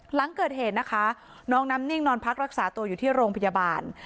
หลังเกิดเหตุนะคะน้องน้ำนิ่งนอนพักรักษาตัวอยู่ที่โรงพยาบาล